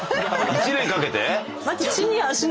１年かけて？